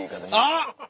あっ！